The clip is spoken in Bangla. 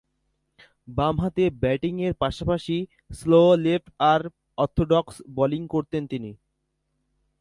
বামহাতে ব্যাটিংয়ের পাশাপাশি স্লো লেফট-আর্ম অর্থোডক্স বোলিং করতেন তিনি।